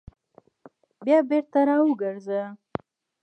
بیا بېرته راوګرځه !